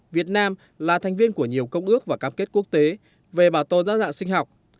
việt nam là thành viên của nhiều công ước và cam kết quốc tế về bảo tồn đa dạng sinh học